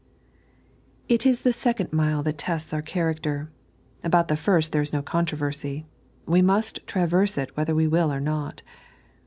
11 is the second mile that tests oui* character. About the first there is no controversy. We must traverse it whether we will or not.